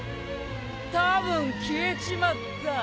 たぶん消えちまった。